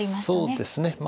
そうですね。